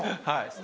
はい。